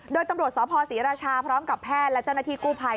โดยตำรวจสภศรีราชาพร้อมกับแพทย์และเจ้าหน้าที่กู้ภัย